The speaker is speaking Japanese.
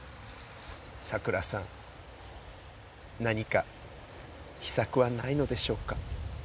さくらさん何か秘策はないのでしょうか？